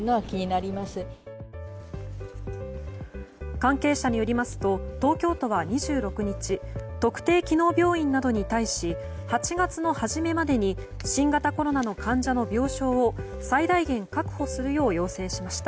関係者によりますと東京都は２６日特定機能病院などに対し８月の初めまでに新型コロナの患者の病床を最大限確保するよう要請しました。